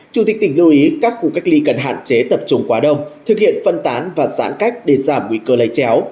chủ tịch tỉnh lưu ý các khu cách ly cần hạn chế tập trung quá đông thực hiện phân tán và giãn cách để giảm nguy cơ lây chéo